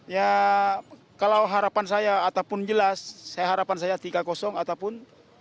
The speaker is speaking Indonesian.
ya kalau harapan saya ataupun jelas harapan saya tiga ataupun